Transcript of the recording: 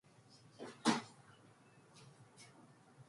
스스로 목을 맸다면 목의 상흔이 이 정도까지 넓게 생기진 않지